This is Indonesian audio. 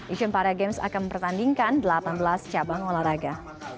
asian para games akan mempertandingkan delapan belas cabang olahraga